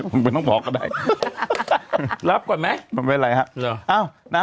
ผมไม่ต้องบอกก็ได้รับก่อนไหมไม่เป็นไรฮะหรอเอ้านะฮะ